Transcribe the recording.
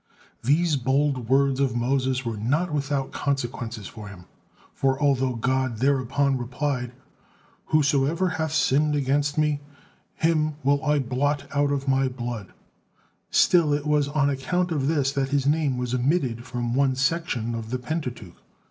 '" These bold words of Moses were not without consequences for him, for although God thereupon replied: "Whosoever hath sinned against Me, him will I blot out of My blood," still it was on account of this that his name was omitted from one section of the Pentateuch.